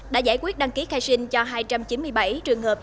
đã giải quyết đăng ký khai sinh cho hai trăm chín mươi bảy trường hợp